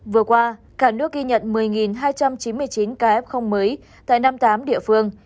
vừa qua cả nước ghi nhận một mươi hai trăm chín mươi chín ca f mới tại năm mươi tám địa phương